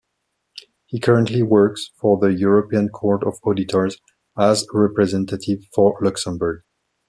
He currently works for the European Court of Auditors as representative for Luxembourg.